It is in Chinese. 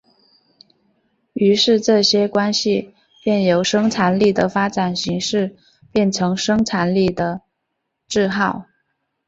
于是这些关系便由生产力的发展形式变成生产力的桎梏。